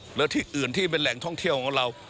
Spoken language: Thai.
หรือที่อื่นที่เป็นแหล่งท่องเที่ยวของเรา